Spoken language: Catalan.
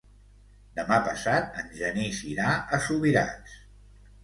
Demà passat en Genís irà a Subirats.